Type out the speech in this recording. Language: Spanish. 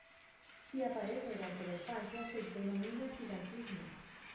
Si aparece durante la infancia, se denomina gigantismo.